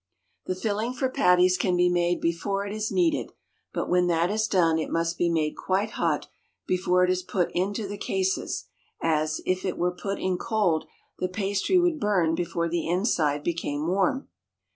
The filling for patties can be made before it is needed; but when that is done, it must be made quite hot before it is put into the cases, as, if it were put in cold, the pastry would burn before the inside became warm.